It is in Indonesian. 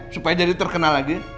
supaya jadi terkenal lagi